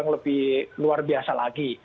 lebih luar biasa lagi